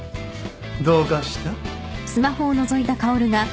どうかした？